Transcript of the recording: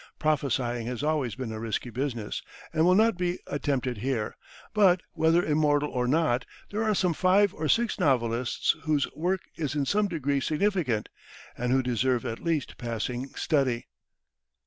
Prophesying has always been a risky business, and will not be attempted here. But, whether immortal or not, there are some five or six novelists whose work is in some degree significant, and who deserve at least passing study.